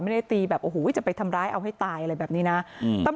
ไม่ได้ตีแบบโอ้โหจะไปทำร้ายเอาให้ตายอะไรแบบนี้นะ